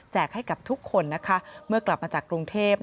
แจกให้กับทุกคนเมื่อกลับมาจากกรุงเทพฯ